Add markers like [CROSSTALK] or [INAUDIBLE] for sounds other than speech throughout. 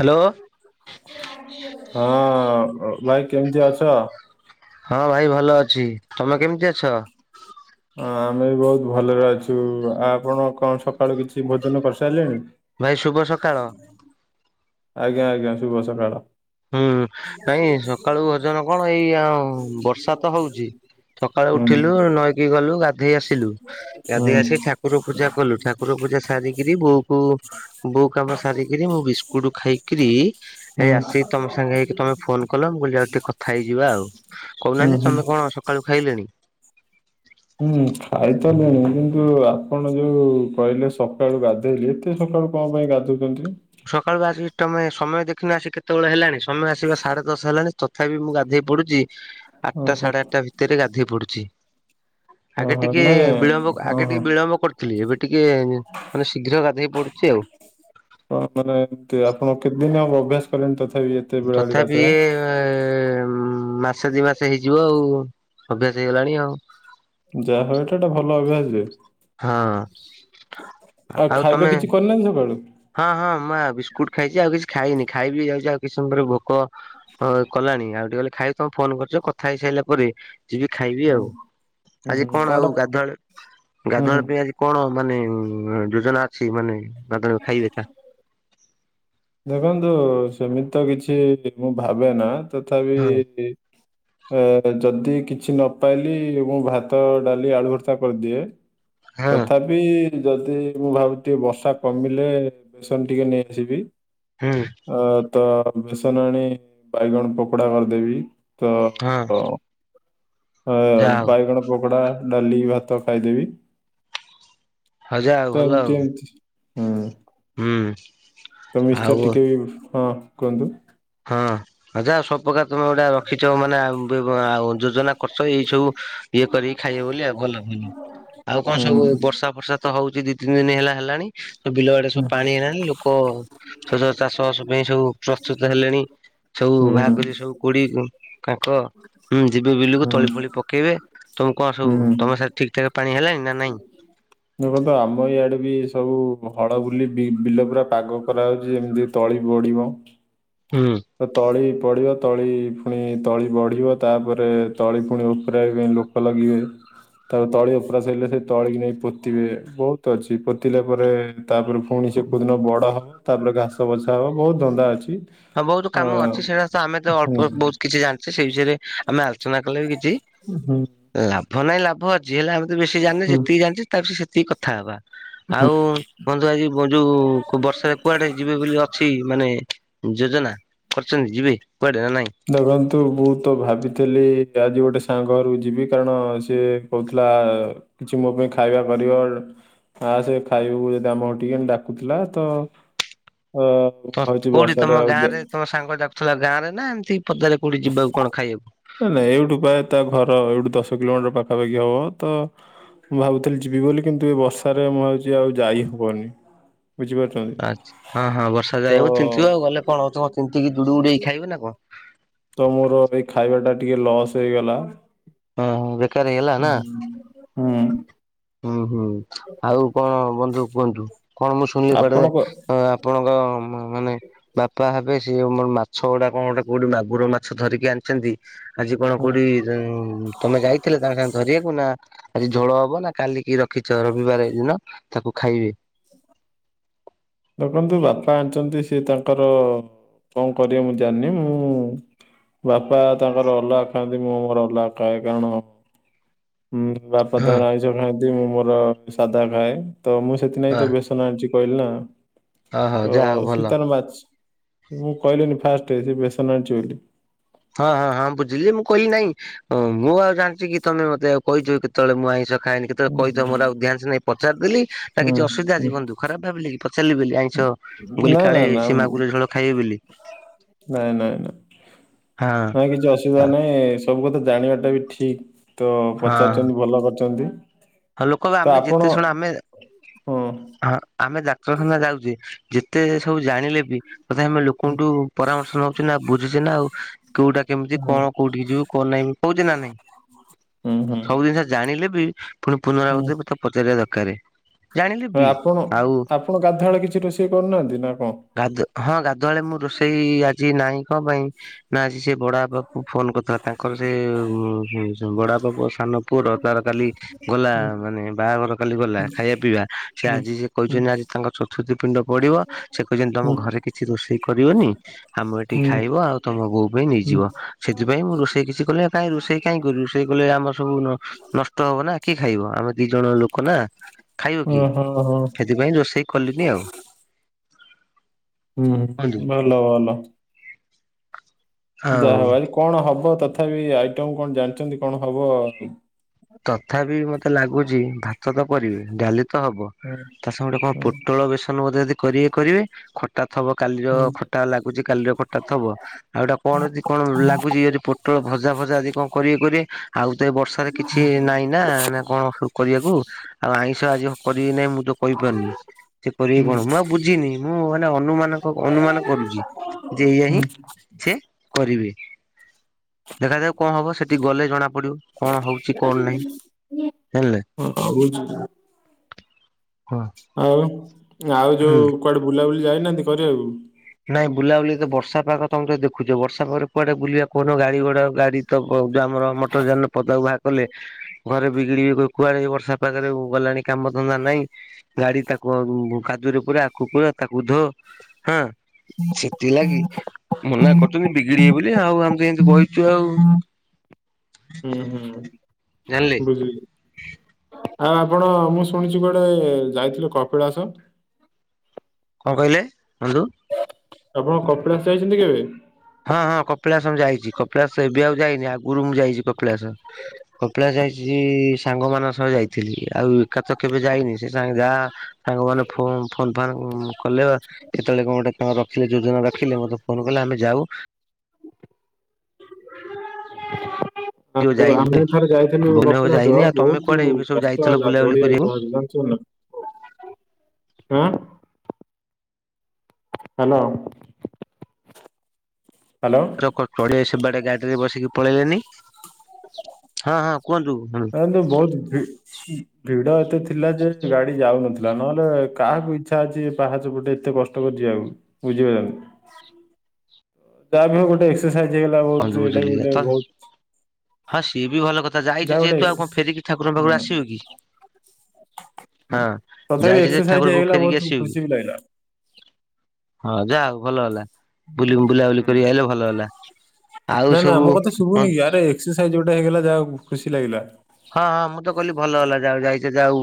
Hello. ହଁ [UNINTELLIGIBLE] ଭାଇ କେମିତି ଅଛ? ହଁ ଭାଇ ଭଲ ଅଛି। ତମେ କେମିତି ଅଛ [INAUDIBLE] ହଁ ଆମେ ବି ବୋହୁତ ଭଲରେ ଅଛୁ, ଆଉ ଆପଣ କଣ ସକାଳୁ କିଛି ଭୋଜନ କରିସାରିଲେଣି? ଭାଇ ଶୁଭ ସକାଳ। ଆଜ୍ଞା ଆଜ୍ଞା ଶୁଭ ସକାଳ। ହୁଁ ନାଇଁ ସକାଳୁ ଭୋଜନ କଣ ଏଇ ଆ ବର୍ଷା ତ ହଉଚି। ସକାଳୁ ହୁଁ ହୁଁ ଉଠିଲୁ ନଈକି ଗଲୁ ଗାଧେଇ ଆସିଲୁ। ହୁଁ ଗାଧେଇ ଆସି ଠାକୁର ପୂଜା କଲୁ। ଠାକୁର ପୂଜା ସାରିକିରି ବୋଉ କୁ ବୋଉ କାମ ସାରିକିରି ମୁଁ ବିସ୍କୁଟ ଖାଇକିରି ହେଇ ଆସିକି ହୁଁ ତମ ସାଙ୍ଗେ ହେଇକି ତମେ ଫୋନ କଲ ମୁଁ କହିଲି ଆ ଟିକେ କଥା ହେଇଯିବା ଆଉ କହୁନାହାନ୍ତି ହୁଁ। ତମେ କଁ ପଣ ସକାଳୁ ଖାଇଲେଣି? ଉମ୍ ଖାଇ ତ ଲେଣି କିନ୍ତୁ ଆପଣ ଯୋଉ କହିଲେ ସକାଳୁ ଗାଧେଇଲି ଏତେ ସକାଳୁ କଣ ପାଇଁ ଗାଧଉଚନ୍ତି? ସକାଳୁ ଆଜି ଟମେ ସମୟ ଦେଖିନା ଆସି କେତବେଳେ ହେଲାଣି ସମୟ ଆସିବା ସାଢେ ଦଶ ହେଲାଣି ତଥାପି ମୁଁ ଗାଧେଇ ପଡ଼ୁଚି। ଆଠ୍ ଟା ଓହୋ ସାଢେ ଆଠ୍ ଟା ଭିତେରେ ଗାଧେଇ ପଡ଼ୁଚି। ଆଗେ ଓହୋ ଟିକେ ନାଇଁ ବିଳମ୍ବ ଆଗେ ଓହୋ। ଟିକେ ବିଳମ୍ବ କର ସିଏ ଏବେ ଟିକେ ମାନେ ଶୀଘ୍ର ଗାଧେଇ ପଡ଼ୁଚି ଆଉ। [UNINTELLIGIBLE] ମାନେ କେ ଆପଣ କେତଦିନ ହବ ଅଭ୍ୟାସ କଲେଣି ତଥାପି? ବେଳା ବେଳି ତଥାପି ଗାଧେଇବା? ଇଏ ଯେ ମାସେ ଦି ମାସ ହେଇଯିବ ଆଉ ଅଭ୍ୟାସ ହେଇଗଲାଣି ଆଉ। ଯାହା ହଉ ଏଟା ଏଟା ଭଲ ଅଭ୍ୟାସ ଯେ। ହଁ ଆଉ ଖାଇବା କିଛି କରି ନାହାନ୍ତି ସକାଳୁ? ହଁ ହଁ ମା ବିସ୍କୁଟ ଖାଇଚି ଆଉ କିଛି ଖାଇନି ଖାଇବି ଯାଉଚି ଆଉ କିଛି ସମୟ ପରେ ଭୋକ ହଁ କଲାଣି ଆଉ ଟିକେ ଗଲେ ଖାଇବ ତମେ ଫୋନ କରୁଚ କଥା ହେଇସାଇଲା ପରେ ଯିବି ଖାଇବି ହୁଁ ଆଉ ହୁଁ ଆଜି ହୁଁ କଣ ଆଉ କଣଟା ଗାଧୁଆ ବେଳେ ହୁଁ ଗାଧୁଆ ହୁଁ ପାଇଁ ଆଜି କଣ ମାନେ ଉମ୍ ଯୋଜନା ଅଛି ମାନେ [UNINTELLIGIBLE] ଖାଇ [UNINTELLIGIBLE] ଦେଖନ୍ତୁ ସେମିତ ତ କିଛି ମୁଁ ଭାବେ ନା ତଥାପି ହଁ [UNINTELLIGIBLE] ଅ ଯଦି କିଛି ନ ପାଇଲି ମୁଁ ଭାତ ଡାଲି ଆଳୁ ଭର୍ତା କରିଦିଏ। ହଁ ତଥାପି ଯଦି ମୁଁ ଭାବୁଛି ବର୍ଷା କମିଲେ ବେସନ ଟିକେ ନେଇକି ଯିବି। ହୁଁ। ଅ ତ ବେସନ ଆଣି ବାଇଗଣ ପକୋଡା କରଦେବି। ହାଁ। ହ ବାଇଗଣ ପକୋଡା ଡାଲି ଭାତ ଖାଇଦେବି। ହଉ ଯା ହଉ ତ ଭଲ ଆଉ ଏମତି ଏମତି ହୁଁ। ହୁଁ। ତ ମିଶ୍ଚର୍ ଆଉ ଟିକେ ବି ହଁ କୁହନ୍ତୁ ହଁ। ଆଚ୍ଛା ଆଉ ସବୁପକାର ତମେ ଗୋଟାଏ ରଖିଚ ମାନେ ବେ ବ ଆଉ ଯୋଜନା କରଚ ଏଇ ସବୁ ଇଏ କରିକି ଖାଇବ ବୋଲି ଆଉ ଭଲ ଭଲ। ଆଉ କଣ ହୁଁ ସବୁ ବର୍ଷା ଫର୍ଷା ତ ହଉଚି ଦି ତିନି ଦିନି ହେଲା ହେଲାଣି। ସବୁ ବିଲ ଆଡେ଼ ସବୁ ପାଣି ହେଲାଣି ଲୋକ ଚାଷବାସ ପାଇଁ ସବୁ ପ୍ରସ୍ତୁତ୍ ହେଲେଣି ସବୁ ହୁଁ ବାହାର କରିବେ ସବୁ କୋଡିଏ ଗୁ କାଙ୍କଁ ଉଁ ଯିବେ ବିଲୁକୁ ହୁଁ ହୁଁ ତଳି ପ ନାଳି ପକେଇବେ ତମୁକୁ କଣ ସବୁ ତମ ହୁଁ ସାଡେ ଠିକ୍ ଠାକ୍ ପାଣି ହେଲଣି ନା ନାଇଁ? ଦେଖନ୍ତୁ ଆମ ଇଆଡେ ବି ସବୁ ହଳ ବୁଲି ବିଲ ପୁରା ପାଗ କରାହାଉଛି ଏମିତି ତଳି ପଡ଼ିବ। ହୁଁ। ତ ତଳି ପଡ଼ିବ ତଳି ପୁଣି ତଳି ବଢ଼ିବ ତାପରେ ତଳି ପୁଣି ଉପରାଇବା ପାଇଁ ଲୋକ୍ [UNINTELLIGIBLE] ତାପରେ ତଳି ଉପ୍ରା ସଇଲେ ସେ ତଳି କି ନେଇ ପୋତିବେ ବହୁତ୍ ଅଛି। ପୋତିଲା ପରେ ତା ପୂର୍ ପୁଣି ସେ କଉଦିନ ବଡ଼ ହବ ତାପରେ ଘାସ ବଛା ହେବ ବହୁତ ଧନ୍ଦା ଅଛି। ହଁ ବହୁତ ଅ କାମ ଅଛି ସେଇଟା ତ ଆମେ ତ ହୁଁ ଅଳ୍ପ ବହୁତ କିଛି ଜାଣିଛେ ସେଇ ବିଷୟରେ ଆମେ ଆଲୋଚନା କଲେ ବି କିଛି ହୁଁ ଲାଭ ନାଇଁ ଲାଭ ଅଛି ଯି ହେଲେ ଆମେ ତ ବେଶୀ ଜାଣିନେ ହୁଁ ଯେତିକି ଜାଣିଛେ ତା ବି ସେତିକି କଥା ହବା ହୁଁ ଆଉ। ବନ୍ଧୁ ଆଜି ଯୋଉ ବର୍ଷାରେ କୁଆଡେ ଯିବେ ବୋଲି ଅଛି ମାନେ ଯୋଜନା କରିଛନ୍ତି ଯିବେ କୁଆଡେ ନା ନାଇଁ ଦେଖନ୍ତୁ ମୁଁ ତ ଭାବିଥିଲି ଆଜି ଗୋଟେ ସାଙ୍ଗଘରକୁ ଯିବି କାରଣ ସିଏ କହୁଥିଲା କିଛି ମୋ ପାଇଁ ଖାଇବା କରିବ ଆ ଆ ସେ ଖାଇବାକୁ ଯଦି ଆମ ଘର ଟିକେ ଡାକୁଥିଲା ତ ଅ ତ ଭାବୁଛି କଉଠି ବର୍ଷାରେ ତମ ଆଉ ଯା ଗାଁରେ ତମ ସାଙ୍ଗ ଯାାଉ ଥିଲା ଗାଁ ରେ ନା ଏମିତି ପଦାରେ କୋଉଠି ଯିବାକୁ କଣ ଖାଇବାକୁ? ନାଇଁ ନାଇଁ ଏଇଠୁ ପ୍ରାୟ ତା ଘର ଏଇଠି ଦଶ କିଲୋମିଟର ପାଖାପାଖି ହବ ତ ମୁଁ ଭାବୁଥିଲି ଯିବି ବୋଲି କିନ୍ତୁ ଏ ବର୍ଷାରେ ମୁଁ ହଉଛି ଆଉ ଯାଇ ହବନି ବୁଝିପାରୁ। ଆଛ ହଁ ହଁ ବର୍ଷା ରେ ଯାଇହବ ତିନ୍ତିବ ଗଲେ କଣ ହଉ କଣ ତୀନ୍ତିକି ଜୁଡୁବୁଡୁ ହେଇ ଖାଇବ ନା କଣ। ତ ମୋର ଏଇ ଖାଇବା ଟା ଟିକେ ଲସ୍ ହେଇଗଲା। ହଁ ବେକାର ହେଇଗଲା ନା। ହୁଁ। ହୁଁ ହୁଁ ଆଉ କଣ ବନ୍ଧୁ କୁହନ୍ତୁ କଣ ମୁଁ ଶୁଣିଲି କୁଆଡେ? ଆପଣ କ ଆପଣଙ୍କ ମାନେ ବାପା ଏବେ ସେଏ ଆମର ମାଛ ଗୁଡା କଣ ଗୋଟେ କୋଉଠି ମାଗୁର ମାଛ ଧରିକି ଆଣିଛନ୍ତି ଆଜି କଣ ହୁଁ କୋଉଠି ତମେ ଯାଇଥିଲେ ତାଙ୍କ ସାଙ୍ଗେ ଧରିବାକୁ ନା ଆଜି ଝୋଳ ହବ ନା କାଲିିକି କିଛି ରବିବାର ଦିନ ତାକୁ ଖାଇବେ। ଦେଖନ୍ତୁ ବାପା ଆଣିଛନ୍ତି ସେ ତାଙ୍କର କଣ କରିବେ ମୁଁ ଜାଣିନି ମୁଁ ବାପା ତାଙ୍କର ଅଲଗା ଖାଆନ୍ତି ମୁଁ ମର ଅଲଗା ଖାଏ କାରଣ ବାପା ତ ହଁ ଆଇଁସ ଖାଆନ୍ତି ମୁଁ ମୋର ସାଧା ଖାଏ ତ ମୁଁ ସେଥିନାଇଁ ହଁ ତ ବସ୍ତ [UNINTELLIGIBLE] କହିଲେ ନା ହଁ ହଁ ତ ଯାହା ହଉ ଭଲ। ଶୀତାନ ମାଚ ମୁଁ କହିଲିନି ଫାଷ୍ଟ ସେ ବେସନ ଆଣିଛି ବୋଲି। ହଁ ହଁ ହଁ ବୁଝିଲି ଯେ ମୁଁ କଇଲି ନାଇଁ ଓଁ ମୁଁ ଆଉ ଜାଣିଛି କି ତମେ ମତେ ଆ କହିଛ କି କେତେବେଳେ ମୁଁ ଆଇଁଷ ଖାଏନି କେ ହୁଁ କହି ତ ମୋର ଆଉ ଧ୍ୟାନସ ନାଇ ପଚାରଦେଲି ନା ହୁଁ କିଛି ଅସୁବିଧା ଅଛି ହୁଁ। କି ବନ୍ଧୁ ଖରାପ ଭାବିଲି କି ପଚାରିଲି ବେଲି ଆଇଁଷ ବୋଲି ନା କାଳେ ନା ନା ସେ ମାଗୁର ଝୋଳ ଖାଇବେ ବୋଲି। ନାଇଁ ନାଇଁ ନାଇଁ। ହଁ। ନାଇଁ କିଛି ଅସୁବିଧା ହଁ ନାହିଁ ସବୁ କଥା ଜାଣିବାଟା ବି ଠିକ। ତ ହଁ ପଚାରୁଛନ୍ତି ଭଲ କରିଛନ୍ତି। ହଁ ଲୋକ ତ ଆମେ ଆପଣ ଯେତେ ଶୁଣ ଆମେ ହଁ ହଁ ଆମେ ଡାକ୍ତରଖାନା ଯାଉଛେ ଯେତେ ସବୁ ଜାଣିଲେ ବି ତଥା ଆମେ ଲୋକଠୁ ପରାମର୍ଶ ନଉଛେ ନା ବୁଝୁଛେ ନା ଆଉ କୋଉଟା କେମିତି ହଁ। କଣ? କୋଉଠିକି ଯିବୁ କଣ ନାଇଁ କହୁଛି ନା ନାଇଁ ହୁଁ ହୁଁ ସବୁ ଜିନିଷ ଜାଣିଲେ ବି ପୁଣି ହୁଁ ପୁନରାବୃତରେ ମତେ ପଚାରିବା ଦରକାର। ଜାଣିଲି ବି ଆପଣ ଆଉ ଆପଣ ଗାଧୁଆଳ କିଛି ରୋଷେଇ କରୁନାହାନ୍ତି ନା କଣ। ଗାଧ ହଁ ଗାଧୁଆଳେ ମୁଁ ରୋଷେଇ ଆଜି ନାହିଁ କଣ ପାଇଁ? ନା ଆଜି ସେ ବଡ ବାପା କୁ ଫୋନ କରିଥିଲା ତାଙ୍କର ସେ ବଡ ବାବା ପୁଅସାନ ପୁଅର ତାର କାଲି ଗଲା ହୁଁ ମାନେ ବାହାଘର କାଲି ଗଲା ଖାଇବା ପିଇବା ସେ ହୁଁ ଆଜି ସେ ହୁଁ କହିଛନ୍ତି ଆଜି ତାଙ୍କ ଚତୁର୍ଥୀ ପିଣ୍ଡ ପଢିବ ସେ କହିଛନ୍ତି ତମ ହୁଁ ଘରେ କିଛି ରୋଷେଇ କରିବନି। ଆମେ ଏଠିକି ହୁଁ ଖାଇବ ଆଉ ତମ ବୋଉ ପାଇଁ ହୁଁ। ନେଇଯିବ। ସେଥିପାଇଁ ମୁଁ ରୋଷେଇ କିଛି କଲି କାଇଁ ରୋଷେଇ କାହିଁକି ରୋଷେଇ କଲେ ଆମ ସବୁ ନଷ୍ଟ ହବ ନା। କିଏ ଖାଇବ? ଆମେ ଦି ଜଣ ଲୋକ ନା ଖାଇବ କିଏ? ଓହୋ ହୋ ହୁଁ ସେଥିପାଇଁ ରୋଷେଇ କଲିନି ଆଉ। ହୁଁ କୁହନ୍ତୁ। ଭଲ ଭଲ। ଆଉ ଯାହା ହବ ଆଜି କଣ ହବ ତଥାପି ଆଇଟମ୍ କଣ ଜାଣିଛନ୍ତି କଣ ହବ? ତଥାପି ମତେ ଲାଗୁଛି ଭାତ ତ ପରିବେ ଡାଲି ତ ହବ। ହୁଁ ତା ସାଙ୍ଗେ ଗୋଟେ କଣ ହୁଁ ପୋଟଳ ବେସନ ବୋଧେ ଯଦି କରିବେ କରିବେ ଖ ଖଟା ଥବ କାଲିର ହୁଁ ଖଟା ଲାଗୁଛି କାଲିର ଖଟା ଥବ। ଆଉ ଏଇଟା କଣ ଯି କଣ ଲାଗୁଛି ଇରେ ପୋଟଳ ଭଜା ଫଜା ଯଦି କଣ କରିବେ କରିବେ। ଆଉ ତ ଏ ବର୍ଷ କିଛି ନାଇଁ ନା, ନା କଣ କରିବାକୁ। ଆଉ ଆଇଁଷ ଆଜି କରିବି ନାହିଁ ମୁଁ ତ କହିପାରୁନି। ସେ କରିବି କଣ ମୁଁ ଆଉ ବୁଝିନି ମୁଁ ମାନେ ଅନୁମାନ ଅନୁମାନ କରୁଛି। ଯେ ଏଇଆ ହିଁ ହୁଁ। ସେ କରିବେ। ଦେଖାଯାଉ କଣ ହବ ସେଠି ଗଲେ ଜଣା ପଡି଼ବ କଣ ହଉଛି? କଣ ନାହିଁ ଜାଣିଲେ। ଭାବୁଛି ହଁ। ଆଉ। ଆଉ ହୁଁ ଯୋଉ କୁଆଡ଼େ ବୁଲାବୁଲି ଯାଇନାହାନ୍ତି କରିବାକୁ? ନାଇଁ ବୁଲାବୁଲି ତ ବର୍ଷା ପାଗ ତମେ ତ ଦେଖୁଛ ବର୍ଷା ପାଗରେ କୁଆଡ଼େ ବୁଲିବା କହୁନ? ଗାଡି଼ ଗୁଡ଼ା ଗା ତ ଯୋଉ ଆମର ମଟର ଯାନ ପଦାକୁ ବାହାର କଲେ ଘରେ ବିଗିଡି଼ବେ କହିବେ କୁଆଡ଼େ ବର୍ଷା ପାଖରେ ଗଲାଣି କାମ ଧନ୍ଦା ନାଇଁ। ଗାଡି଼ ତାକୁ କାଦୁରେ ପୁରା ଆକୁ ପୁରା ତାକୁ ଧ ହଁ। ସେଥିଲାଗି ମନା କରୁଛନ୍ତି ବିଗିଡିି଼ବେ ବୋଲି ଆଉ ଆମେ ତ ଏନ୍ତି ବଇଛୁ ଆଉ। ହୁଁ ହୁଁ ଜାଣିଲେ ବି ଆଉ ଆପଣ ମୁଁ ଶୁଣିଛି କୁଆଡ଼େ ଯାଇଥିଲୁ କପିଳାସ? କଣ କହିଲେ ବନ୍ଧୁ? ଆପଣ କପିଳାସ ଯାଇଛନ୍ତି କେବେ? ହଁ ହଁ କପିଳାସ ମୁଁ ଯାଇଛି। କପିଳାସ ଏବେ ଆଉ ଯାଇନି ଆଗରୁ ମୁଁ ଯାଇଛି କପିଳାସ। କପିଳାସ ଯାଇଛି ସାଙ୍ଗ ମାନଙ୍କ ସହ ଯାଇଥିଲି। ଆଉ ଏକା ତ କେବେ ଯାଇନି ସେ ଯା ସାଙ୍ଗ ମାନେ ଫ ଫୋନ୍ ଫାନ୍ କଲେ ବା କେତେବେଳେ କଣ ଗୋଟେଣ ରଖିଲେ ଯୋଜନା ରଖିଲେ ମତେ ଫୋନ କଲେ ଆମେ ଯାଉ [UNINTELLIGIBLE] ଯଉ ଆଉ ଯାଇନି ଆମେ ଥରେ ଯାଇଥିଲୁ ବହୁତ ଦିନ ହବ କପିଳାସ ଯାଇନି ଆଉ ତମେ ବହୁତ କୁଆଡେ ଏବେ ସବୁ କଷ୍ଟ ଯାଇଥିଲ ହେଲା ବୁଲାବୁଲି ଚଢି଼ବାକୁ କରିବାକୁ ପାହାଚ ଜାନ୍ ଚନା ହାଁ! ହ୍ୟାଲୋ। ହ୍ୟାଲୋ। ଡିଆ ସେ ବାଡେ ଗାଡିରେ ବସିକି ପଳେଇଲେନି। ହଁ ହଁ କୁହନ୍ତୁ। କିନ୍ତୁ ବହୁତ୍ ଭି ଭିଡ଼ ଏତେ ଥିଲା ଯେ, ଗାଡି଼ ଯାଉନଥିଲା ନହେଲେ କାହାକୁ ଇଚ୍ଛା ଅଛି ପାହାଚ ପଟେ ଏତେ କଷ୍ଟ କରିଛି ଯିବାକୁ। ବୁଝି ପାରଲେ। ଯାହା ବି ହଉ ଗୋଟେ ଏକ୍ସସାଇଜ ହେଇଗଲା କୁହନ୍ତୁ ବହୁତ ଏଇଟା ବି ବୁଝିଲି ଗୋଟେ ତ ବହୁତ ହଁ ସିଏ ବି ଭଲ କଥା। ଯାଇଛୁ ଯାହା ଗୋଟେ ଯେହେତୁ ଆଉ ଏକ୍ସେସ୍ କଣ ଫେରିକି ଠାକୁରଙ୍କ ହୁଁ ପାଖରୁ ଆସିବେ କି? ହଁ ତଥାପି ଯାଇଛ ଯେ ଏକ୍ସରସାଇଜ ଠାକୁର ବାବୁ ହେଇଗଲା ଫେରିକି ବହୁତ ଆସିବ କି? ଖୁସି ବି ଲାଗିଲା। ହଁ ଯା ହ ଭଲ ହେଲା। ବୁଲି ବୁଲାବୁଲି ହୁଁ କରି ଆଇଲେ ଭଲ ହେଲା। ଆଉ ନା ନା ମୋ କଥା ସବୁ ଶୁଭୁନି କି? ଆରେ ଏକ୍ସରସାଇଜ ଯୋଉଟା ହେଇଗଲା ଯାହା ଖୁସି ଲାଗିଲା। ହଁ ହଁ ମୁଁ ତ କହିଲି ଭଲ ହେଲା। ଯାଉ ଯାଇଛ ଯାଉ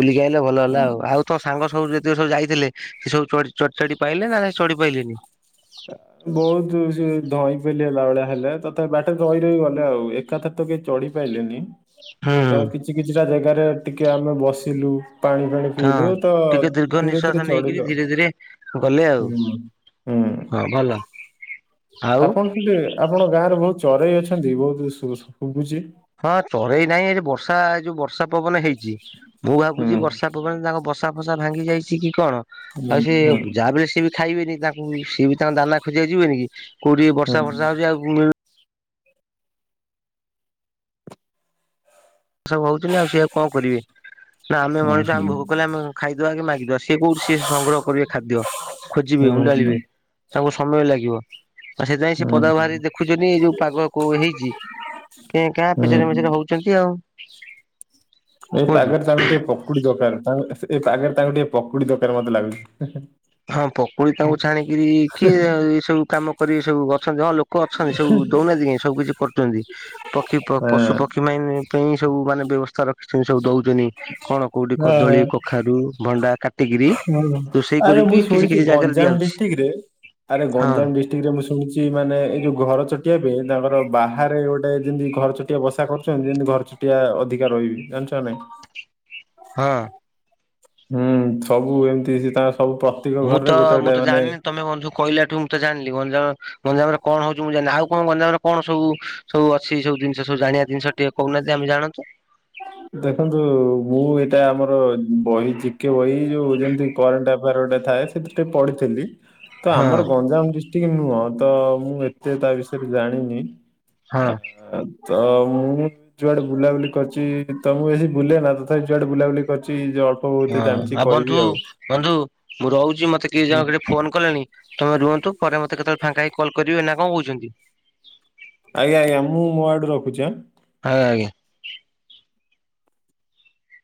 ବୁଲିକି ଆଇଲ ଭଲ ହେଲା ହଁ। ଆଉ। ଆଉ ତ ସାଙ୍ଗ ସବୁ ଯେତକ ସବୁ ଯାଇଥିଲେ ସେ ସବୁ ଚ ଚଢି଼ ଚଢ଼ି ପାଇଲେ ନା ସେ ଚଢି଼ ପାଇଲେନି? ବହୁତ ସ ଧଇଁ ପେଲି ହେଲା ଭଳିଆ ହେଲେ ତ ତା ବାଟରେ ରହି ରହି ଗଲେ ଆଉ। ଏ ଏକା ଥରେ ତ କେହି ଚଢିପାଇଲେନି ହୁଁ ହୁଁ। କିଛି କିଛିଟା ଜାଗାରେ ଟିକେ ଆମେ ବସିଲୁ। ପାଣି ଫାଣି ହଁ ପିଇଲୁ ତ ଟିକେ ଦୀର୍ଘ ଧୀରେ ଧୀରେ ନିଶ୍ୱାସ ଚଢିଲୁ ନେଇକିରି ଆଉ ଧୀରେ ଧୀରେ ଗଲେ ଆଉ। ହୁଁ ହୁଁ ହଁ ଭ ଆପଣ ସେଠି ଆପଣଙ୍କ ଗାଁ ରେ ବହୁତ ଚରେଇ ଅଛନ୍ତି ବହୁତ ଶୁବୁଛି। ହଁ ଚରେଇ ନାହିଁ ଏ ବର୍ଷା ଏ ଯୋଉ ବର୍ଷା ପବନ ହେଇ ଚି ମୁଁ ଭାବୁଛି ହୁଁ ବର୍ଷା ପବନ୍ ତାଙ୍କ ବସା ଫସା ଭାଙ୍ଗି ଯାଇଛି କି କଣ? ହୁଁ ଆଉ ସେ ହୁଁ ଯାହା ବି ସେବି ଖାଇବେନି ତାଙ୍କୁ ସିଏ ବି ତାଙ୍କ ଦାନା ଖୋଜିଆ ଯିବେନି କି କୋଉଠି ହୁଁ ବର୍ଷା ଫର୍ଷା ହଉଛି ଆଉ ମି ସବୁ ହଉଛନ୍ତିି ଆଉ ସିଏ ଆଉ କ କରିବେ? ନା ଆମେ ମଣିସ ହୁଁ ହୁଁ ଆମ ଭୋଗ କଲେ ଆମେ ଖାଇଦବା କି ମାଗିଦବା ସିଏ କୋଉଠି ସଂଗ୍ରହ କରିବେ ଖାଦ୍ୟ। ଖୋଜିବେ ହୁଁ ଉଣ୍ଡାଳିବେ ତାଙ୍କୁ ସମୟ ଲାଗିବ। ସେଥିପାଇଁ ସେ ହୁଁ ପଦା ବାହାରି ଦେଖୁଛନ୍ତି ଏଇ ଯୋଉ ପାଗ କୋଉ ହେଇଛି କେ କାଁ ପେଚରେ ହୁଁ ମେଚେରେ ହଉ ଛନ୍ତି ଆଉ ଏ କୁହନ୍ତୁ ପାଗରେ ତାଙ୍କୁ ଟିକେ ପକୁଡି ଦରକାର ତା ଏଇ ପାଗରେ ତାଙ୍କୁ ଟିକେ ପକୁଡି ଦରକାର ମତେ ଲାଗୁଛି। ହେଁ ହେଁ। ହଁ ପକୁଡି ତାଙ୍କୁ ଛାଣିକିରି କିଏ ଏ ସବୁ କାମ କରି ଏ ସବୁ ଅଛନ୍ତି ହଁ ଲୋ ଲୋକ ଅଛନ୍ତି ସବୁ ଦଉନାହାନ୍ତି କାଇଁ ସବୁ କିଛି କରୁଛନ୍ତି ପକ୍ଷୀ ହଁ ପଶୁ ପକ୍ଷୀ ପାଇ ପାଇଁ ସବୁ ମାନେ ବ୍ୟବସ୍ଥା ରଖିଛନ୍ତି ସବୁ ଦଉଛନ୍ତି କଣ କୋଉଠି କଦଳୀ ହଁ କଖାରୁ ଭଣ୍ଡା କା ଟି କିରି ହଁ ରୁସେଇ ଆରେ ମୁଁ ଶୁଣିଛି ଗଞ୍ଜାମ ଡିଷ୍ଟ୍ରିକ୍ ରେ ଆରେ ହଁ ଗଞ୍ଜାମ ଡି ଏତିିକରେ ମୁଁ ଶୁଣିଛି ମାନେ ଏଇ ଯୋଉ ଘର ଚଟିଆ ପାଇଁ ତାଙ୍କର ବାହାରେ ଗୋଟେ ଯେମିତି ଘର ଚ ଟିଏ ବସା କରୁଛନ୍ତି ଯେମିତି ଘର ଚଟିଆ ଅଧିକା ରହିବେ ଜାଣିଛ ନା ନାଇଁ? ହଁ। ହୁଁ ସବୁ ଏମିତି ସେ ତାଙ୍କ ସବୁ ପ୍ରତ୍ୟେକ ମୁଁ ତ ଘରରେ ଗୋଟେ ମୁଁ ଗୋଟେ ତ ମାନେ ଜାଣିନି ତମେ ବନ୍ଧୁ କହିଲାଠୁ ମୁଁ ତ ଜାଣିଲି ଗଞ୍ଜାମ ଗଞ୍ଜାମରେ କଣ ହଉଛି ମୁଁ ଜାଣିନି ଆଉ କଣ ଗଞ୍ଜାମରେ କଣ ସବୁ ସବୁ ଅଛି ସବୁ ଜିନିଷ ସବୁ ଜାଣିବା ଜିନିଷ ଟିକେ କହୁ ନାହାନ୍ତି ଆମେ ଜାଣନ୍ତୁ। ଦେଖନ୍ତୁ ମୁଁ ଏଇଟା ଆମର ବହି ଜିକେ ବହି। ଯୋଉ ଯେମତି କରେଣ୍ଟ ଆଫାର ଗୋଟେ ଥାଏ ସେଥିରେ ପଢିଥିଲି ତ ଆମର ହଁ ଗଞ୍ଜାମ ଡି ଟିକେ ନୁହଁ ତ ମୁଁ ଏତେ ତା ବିଷୟରେ ଜାଣିନି ହଁ ଆ ତ ମୁଁ ଯୁଆଡେ ବୁଲାବୁଲି କରିଛି ତ ମୁଁ ବେଶୀ ବୁଲେନା ତଥାପି ଯୁଆଡେ ବୁଲାବୁଲି କରିଛି ଯ ହଁ ଆଉ ବନ୍ଧୁ ବନ୍ଧୁ ମୁଁ ରହୁଛି ମତେ କି ହୁଁ। ଜଣ ଫୋନ କଲେଣି। ତମେ ରୁହନ୍ତୁ ପରେ ମତେ କେତେବେଳେ ଫାଙ୍କା ହେଇ କଲ କରିବେ ନା କଣ କହୁଛନ୍ତି? ଆଜ୍ଞା ଆଜ୍ଞା ମୁଁ ମୋ ଆଡୁ ରଖୁଛି ଏଁ। ହଁ ଆଜ୍ଞା।